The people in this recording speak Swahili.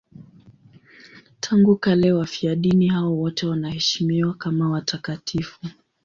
Tangu kale wafiadini hao wote wanaheshimiwa kama watakatifu.